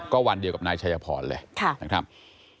ก็วันเดียวกับนายชายพรเลยนะครับ